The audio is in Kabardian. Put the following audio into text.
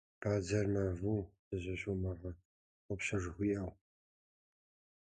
Бадзэр мэву, сызыщумыгъэгъупщэ, жыхуиӏэу.